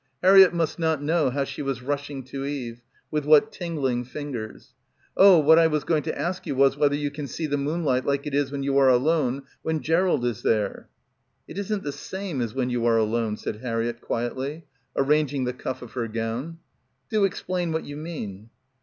Har riett must not know how she was rushing to Eve ; with what tingling fingers. "Oh, what I was going to ask you was whether you can see the moonlight like it is when you are alone, when Gerald is there." "... It isn't the same as when you are alone," said Harriett quietly, arranging the cuff of her glove. "Do explain what you mean."